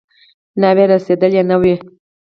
ناوې رارسېدلې نه وي.